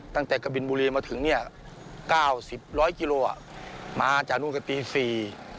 ตั้งแต่กระบิลบุรีมาถึงนี่๙๐๑๐๐กิโลกรัมมาจากนู่นก็ตี๔